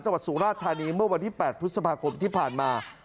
จังหวัดศูนยาธานีเมื่อวันที่๘พฤษภาคมที่ผ่านมา